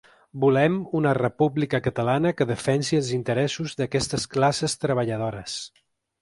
Volem una república catalana que defensi els interessos d’aquestes classes treballadores.